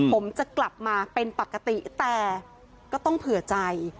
ผมจะกลับมาเป็นปกติแต่ก็ต้องเผื่อใจ